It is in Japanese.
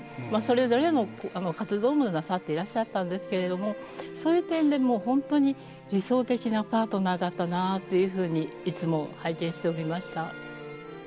それぞれの活動もなさっていらっしゃったんですけれどもそういう点でもう本当に理想的なパートナーだったなというふうにいつも拝見しておりました。